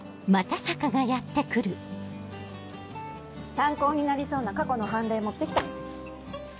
参考になりそうな過去の判例持ってきた。